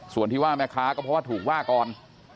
ส่วนที่ว่าแม่ค้าก็เพราะว่าถูกว่าก่อน